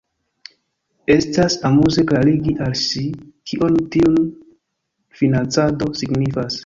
Estas amuze klarigi al si, kion tiu financado signifas.